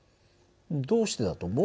どうしてだと思う？